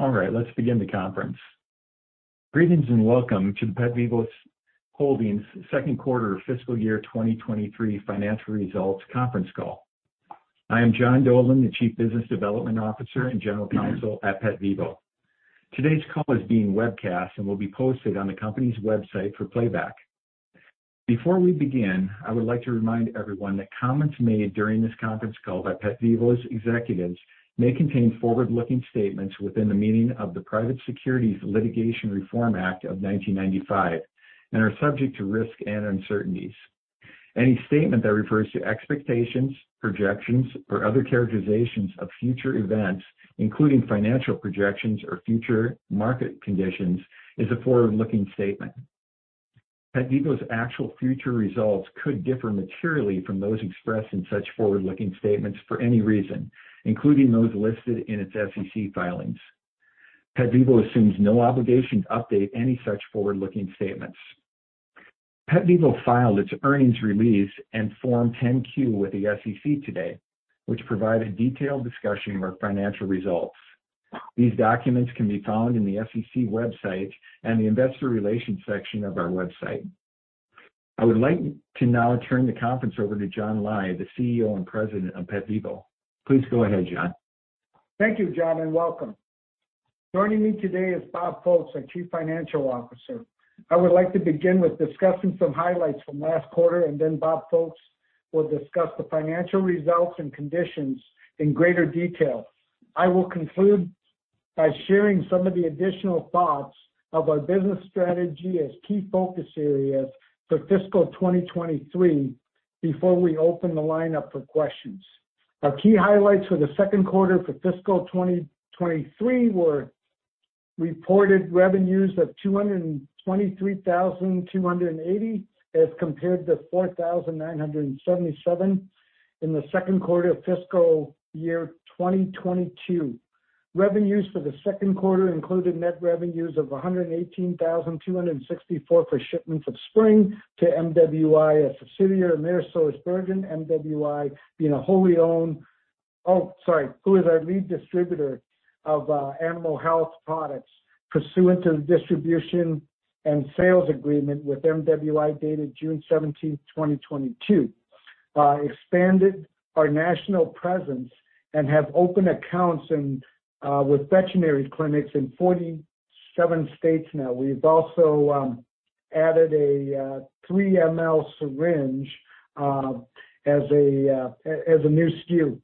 All right, let's begin the conference. Greetings and welcome to the PetVivo Holdings second quarter fiscal year 2023 financial results conference call. I am John Dolan, the Chief Business Development Officer and General Counsel at PetVivo. Today's call is being webcast and will be posted on the company's website for playback. Before we begin, I would like to remind everyone that comments made during this conference call by PetVivo's executives may contain forward-looking statements within the meaning of the Private Securities Litigation Reform Act of 1995 and are subject to risk and uncertainties. Any statement that refers to expectations, projections, or other characterizations of future events, including financial projections or future market conditions, is a forward-looking statement. PetVivo's actual future results could differ materially from those expressed in such forward-looking statements for any reason, including those listed in its SEC filings. PetVivo assumes no obligation to update any such forward-looking statements. PetVivo filed its earnings release and Form 10-Q with the SEC today, which provide a detailed discussion of our financial results. These documents can be found in the SEC website and the investor relations section of our website. I would like to now turn the conference over to John Lai, the CEO and President of PetVivo. Please go ahead, John. Thank you, John, and welcome. Joining me today is Bob Folkes, our Chief Financial Officer. I would like to begin with discussing some highlights from last quarter, and then Bob Folkes will discuss the financial results and conditions in greater detail. I will conclude by sharing some of the additional thoughts of our business strategy as key focus areas for fiscal 2023 before we open the line up for questions. Our key highlights for the second quarter for fiscal 2023 were reported revenues of $223,280 as compared to $4,977 in the second quarter of fiscal year 2022. Revenues for the second quarter included net revenues of $118,264 for shipments of Spryng to MWI, a subsidiary of AmerisourceBergen. MWI being a wholly owned... Our lead distributor of animal health products pursuant to the distribution and sales agreement with MWI dated June 17th, 2022. We expanded our national presence and have opened accounts with veterinary clinics in 47 states now. We've also added a 3 ml syringe as a new SKU.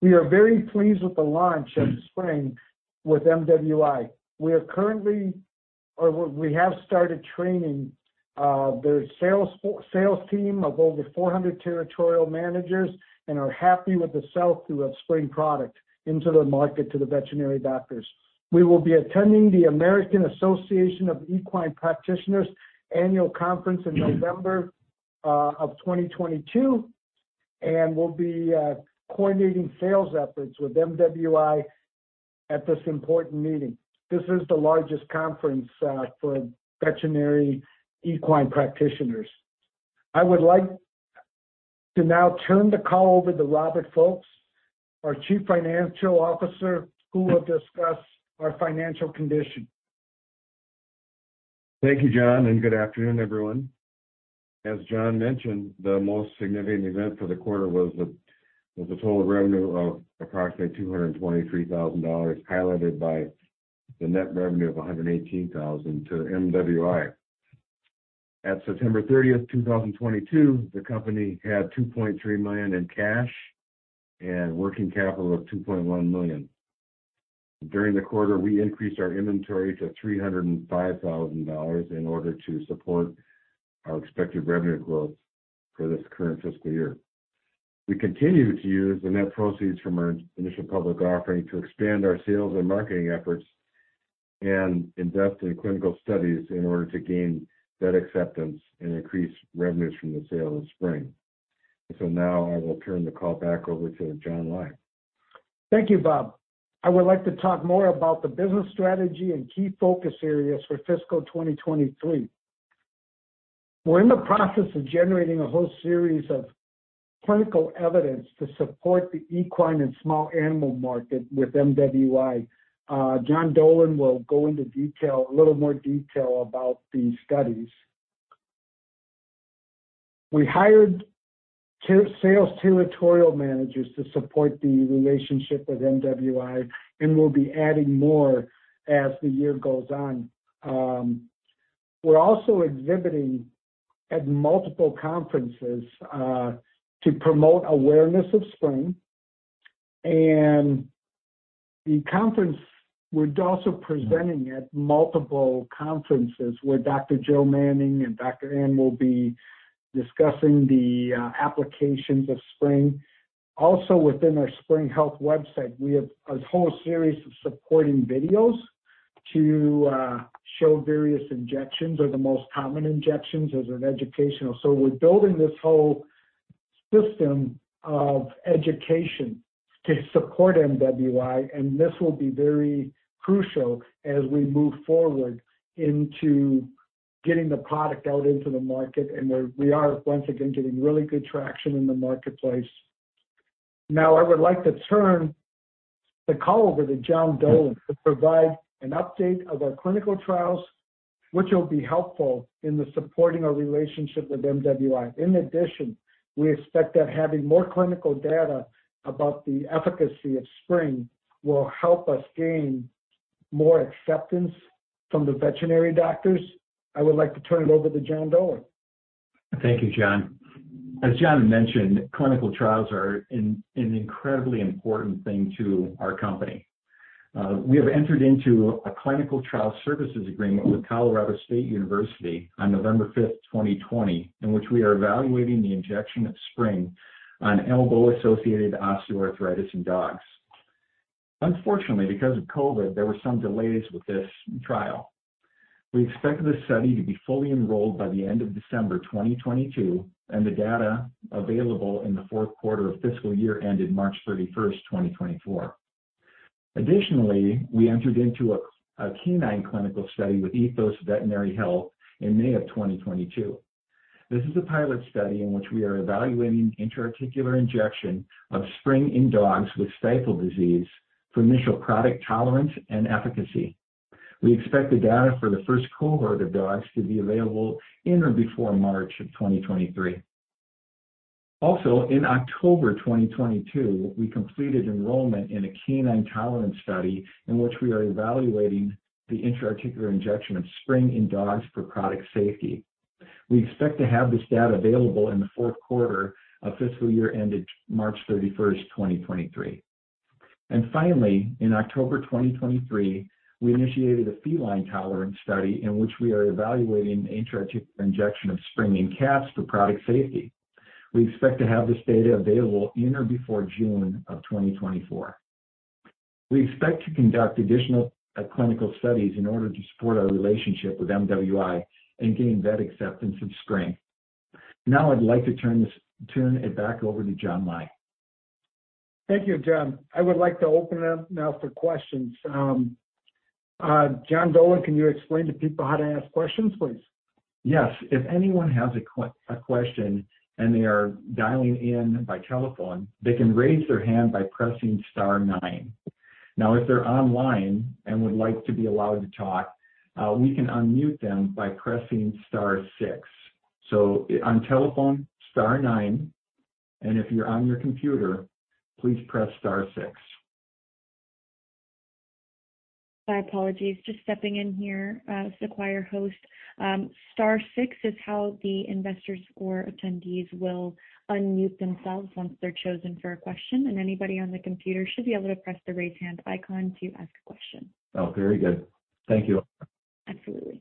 We are very pleased with the launch of Spryng with MWI. We have started training their sales team of over 400 territorial managers and are happy with the sell-through of Spryng product into the market to the veterinary doctors. We will be attending the American Association of Equine Practitioners annual conference in November 2022, and we'll be coordinating sales efforts with MWI at this important meeting. This is the largest conference for veterinary equine practitioners. I would like to now turn the call over to Bob Folkes, our Chief Financial Officer, who will discuss our financial condition. Thank you, John, and good afternoon, everyone. As John mentioned, the most significant event for the quarter was the total revenue of approximately $223,000, highlighted by the net revenue of $118,000 to MWI. At September 30th, 2022, the company had $2.3 million in cash and working capital of $2.1 million. During the quarter, we increased our inventory to $305,000 in order to support our expected revenue growth for this current fiscal year. We continue to use the net proceeds from our initial public offering to expand our sales and marketing efforts and invest in clinical studies in order to gain vet acceptance and increase revenues from the sale of Spryng. Now I will turn the call back over to John Lai. Thank you, Bob. I would like to talk more about the business strategy and key focus areas for fiscal 2023. We're in the process of generating a whole series of clinical evidence to support the equine and small animal market with MWI. John Dolan will go into detail, a little more detail about these studies. We hired sales territorial managers to support the relationship with MWI and will be adding more as the year goes on. We're also exhibiting at multiple conferences to promote awareness of Spryng. We're also presenting at multiple conferences where Dr. Joe Manning and Dr. Ann will be discussing the applications of Spryng. Also within our Spryng Health website, we have a whole series of supporting videos to show various injections or the most common injections as an educational. We're building this whole system of education to support MWI, and this will be very crucial as we move forward into getting the product out into the market, and we are once again getting really good traction in the marketplace. Now I would like to turn the call over to John Dolan to provide an update of our clinical trials, which will be helpful in supporting our relationship with MWI. In addition, we expect that having more clinical data about the efficacy of Spryng will help us gain more acceptance from the veterinary doctors. I would like to turn it over to John Dolan. Thank you, John. As John mentioned, clinical trials are an incredibly important thing to our company. We have entered into a clinical trial services agreement with Colorado State University on November 5th, 2020, in which we are evaluating the injection of Spryng on elbow-associated osteoarthritis in dogs. Unfortunately, because of COVID, there were some delays with this trial. We expect the study to be fully enrolled by the end of December 2022, and the data available in the fourth quarter of fiscal year ending March 31st, 2024. Additionally, we entered into a canine clinical study with Ethos Veterinary Health in May 2022. This is a pilot study in which we are evaluating intra-articular injection of Spryng in dogs with stifle disease for initial product tolerance and efficacy. We expect the data for the first cohort of dogs to be available in or before March 2023. Also, in October 2022, we completed enrollment in a canine tolerance study in which we are evaluating the intra-articular injection of Spryng in dogs for product safety. We expect to have this data available in the fourth quarter of fiscal year ending March 31st, 2023. Finally, in October 2023, we initiated a feline tolerance study in which we are evaluating intra-articular injection of Spryng in cats for product safety. We expect to have this data available in or before June 2024. We expect to conduct additional clinical studies in order to support our relationship with MWI and gain vet acceptance of Spryng. Now I'd like to turn it back over to John Lai. Thank you, John. I would like to open it up now for questions. John Dolan, can you explain to people how to ask questions, please? Yes. If anyone has a question and they are dialing in by telephone, they can raise their hand by pressing star nine. Now, if they're online and would like to be allowed to talk, we can unmute them by pressing star six. On telephone, star nine, and if you're on your computer, please press star six. My apologies. Just stepping in here, as the chair host. Star six is how the investors or attendees will unmute themselves once they're chosen for a question, and anybody on the computer should be able to press the Raise Hand icon to ask a question. Oh, very good. Thank you. Absolutely.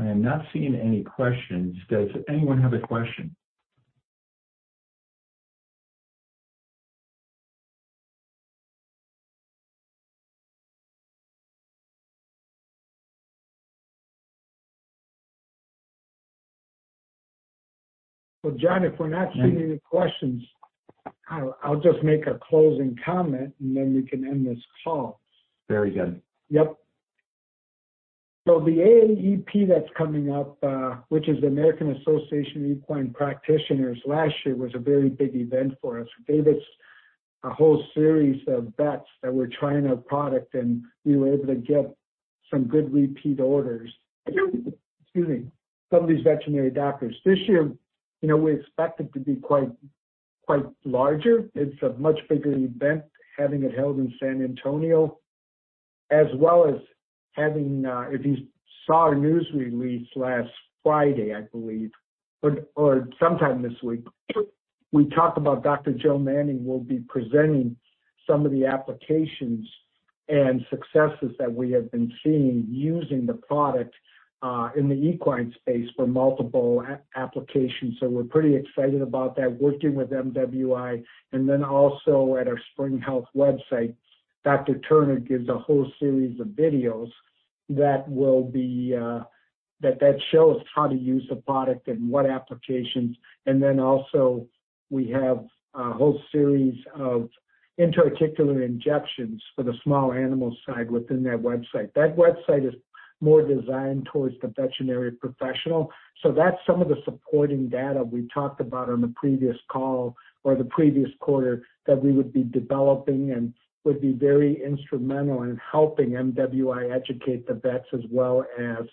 I am not seeing any questions. Does anyone have a question? Well, John, if we're not seeing any questions, I'll just make a closing comment, and then we can end this call. Very good. Yep. The AAEP that's coming up, which is the American Association of Equine Practitioners, last year was a very big event for us. We gave it a whole series of vets that were trying our product, and we were able to get some good repeat orders. Excuse me. Some of these veterinary doctors. This year, you know, we expect it to be quite larger. It's a much bigger event, having it held in San Antonio, as well as having, if you saw our news release last Friday, I believe, or sometime this week, we talked about Dr. Joe Manning will be presenting some of the applications and successes that we have been seeing using the product in the equine space for multiple applications. We're pretty excited about that, working with MWI and then also at our Spryng Health website, Dr. Turner gives a whole series of videos that shows how to use the product and what applications. Then also we have a whole series of intra-articular injections for the small animal side within that website. That website is more designed towards the veterinary professional. That's some of the supporting data we talked about on the previous call or the previous quarter that we would be developing and would be very instrumental in helping MWI educate the vets as well as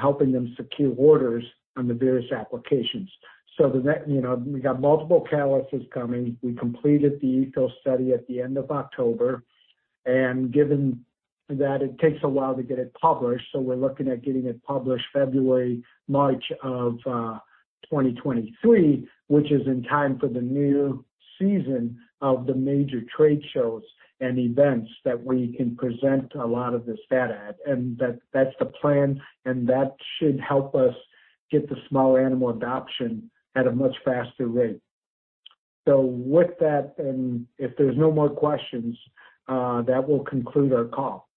helping them secure orders on the various applications. The vet, you know, we got multiple catalysts coming. We completed the Ethos study at the end of October, and given that it takes a while to get it published, we're looking at getting it published February, March of 2023, which is in time for the new season of the major trade shows and events that we can present a lot of this data at. That's the plan, and that should help us get the small animal adoption at a much faster rate. With that, and if there's no more questions, that will conclude our call.